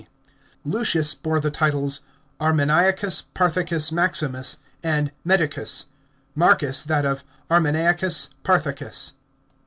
D.). Lucius bore the titles Armeniacus P'irthicus MaximuK, and Medicus ; Marcus that of Armeniacus Parthicus.